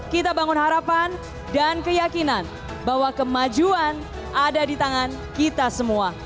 kita bangun harapan dan keyakinan bahwa kemajuan ada di tangan kita semua